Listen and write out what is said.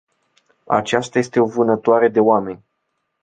Aceasta este o vânătoare de oameni.